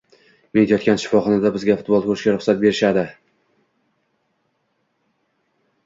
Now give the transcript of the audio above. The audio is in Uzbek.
Men yotgan shifoxonada bizga futbol ko`rishga ruxsat berishadi